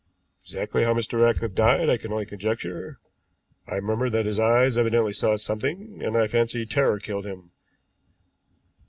Exactly how Mr. Ratcliffe died I can only conjecture. I remember that his eyes evidently saw something, and I fancy terror killed him.